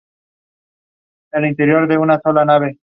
Profesor Miguel Luis Delgado Montoya.